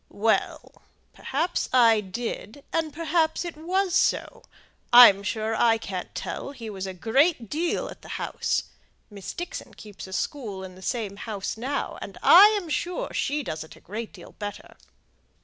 "Well! perhaps I did, and perhaps it was so; I'm sure I can't tell; he was a great deal at the house. Miss Dixon keeps a school in the same house now, and I'm sure she does it a great deal better."